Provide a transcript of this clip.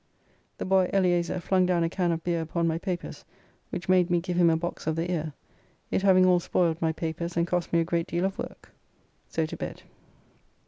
The boy Eliezer flung down a can of beer upon my papers which made me give him a box of the ear, it having all spoiled my papers and cost me a great deal of work. So to bed.